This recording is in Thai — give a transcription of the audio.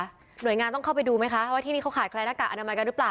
หน่วยงานต้องเข้าไปดูไหมคะว่าที่นี่เขาขาดใครหน้ากากอนามัยกันหรือเปล่า